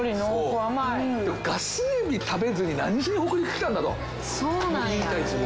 ガスエビ食べずに何しに北陸来たんだと言いたいですよ